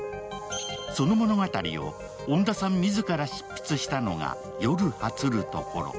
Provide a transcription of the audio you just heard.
その物語を恩田さん自ら執筆したのが「夜果つるところ」。